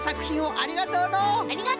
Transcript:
ありがとう！